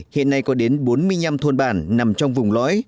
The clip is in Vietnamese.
hiện nay có đến bốn mươi năm thôn bản nằm trong vùng lõi